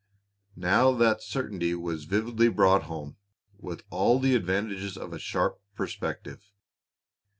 Now the certainty was vividly brought home, with all the advantages of a sharp perspective.